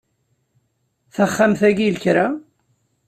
Taxxamt-ayi i lekra.